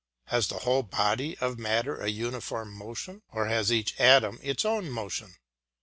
Has the whole body of matter a uniform motion, or has each atom its own motion?